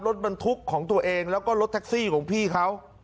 รถบรรทุกของตัวเองแล้วก็รถแท็กซี่ของพี่เขา